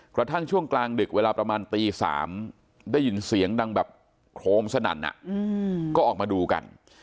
กระทั่งช่วงกลางดึกเวลาประมาณตี๓ได้ยินเสียงดังแบบโครมสนั่นก็ออกมาดูกัน